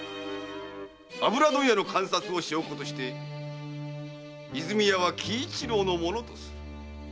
油問屋の鑑札を証拠として和泉屋は喜一郎のものとする。